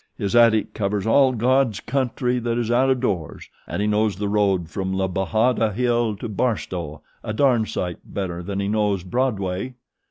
His attic covers all God's country that is out of doors and he knows the road from La Bajada hill to Barstow a darned sight better than he knows Broadway."